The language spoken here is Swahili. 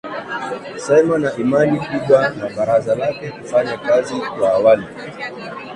sema na imani kubwa na baraza lake kufanya kazi kwa awali